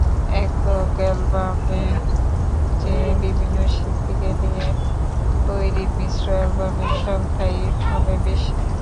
একক অ্যালবামের চেয়ে বিভিন্ন শিল্পীকে নিয়ে তৈরি মিশ্র অ্যালবামের সংখ্যাই হবে বেশি।